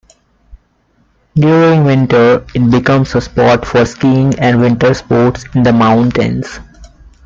During winter it becomes a spot for skiing and winter sports in the mountains.